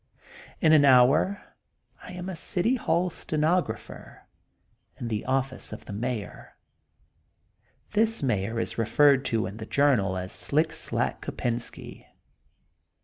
In an hour I am a City Hall stenographer, in the office of the Mayor. This Mayor is referred to in the Jour nal as Slick Slack Kopensky